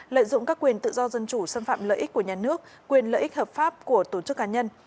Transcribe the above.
lợi dụng các quyền tự do dân chủ xâm phạm lợi ích của nhà nước quyền lợi ích hợp pháp của tổ chức cá nhân